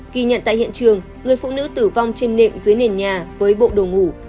ghi nhận tại hiện trường người phụ nữ tử vong trên nệm dưới nền nhà với bộ đồ ngủ